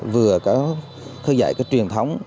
vừa có thư giải truyền thống